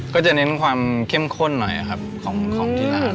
ก็จะเน้นความเข้มข้นหน่อยครับของที่ร้าน